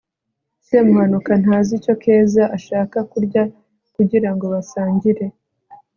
semuhanuka ntazi icyo keza ashaka kurya kugirango basangire